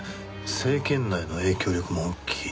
政権内の影響力も大きい。